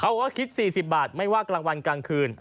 ว่าคิด๔๐บาทไม่ว่ากลางวันกลางคืน